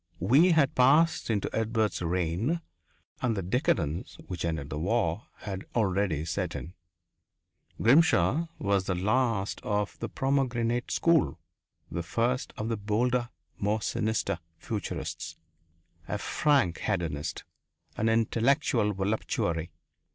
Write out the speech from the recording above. We had passed into Edward's reign and the decadence which ended in the war had already set in Grimshaw was the last of the "pomegranate school," the first of the bolder, more sinister futurists. A frank hedonist. An intellectual voluptuary.